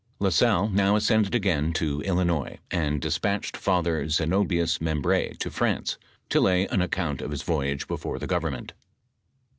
La Salle now ascended again to Illinois, and despatched Father Zenobins Membr^ to France to lay an account of his voyage before the government.